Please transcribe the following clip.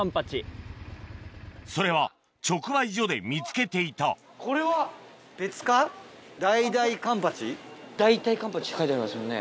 それは直売所で見つけていた「だいだいカンパチ」って書いてありますよね。